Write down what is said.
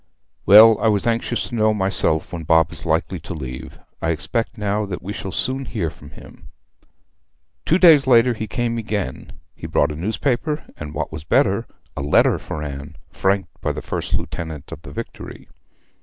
'Well, I was anxious to know myself when Bob is likely to leave. I expect now that we shall soon hear from him.' Two days later he came again. He brought a newspaper, and what was better, a letter for Anne, franked by the first lieutenant of the Victory.